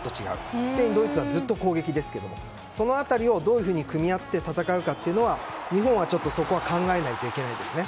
スペインとドイツはずっと攻撃ですがその辺りをどう組み合って戦うかというのは日本はちょっとそこは考えないといけないですね。